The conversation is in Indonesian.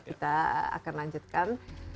kita akan lanjutkan